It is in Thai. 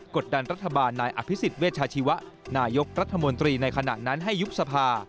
ดดันรัฐบาลนายอภิษฎเวชาชีวะนายกรัฐมนตรีในขณะนั้นให้ยุบสภา